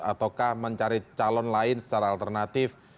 ataukah mencari calon lain secara alternatif